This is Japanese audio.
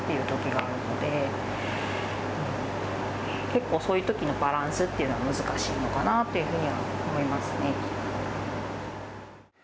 結構そういうときのバランスっていうのは難しいのかなっていうふうには思いますね。